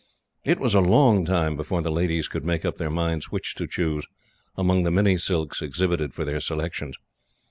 It was a long time before the ladies could make up their minds which to choose, among the many silks exhibited for their selections.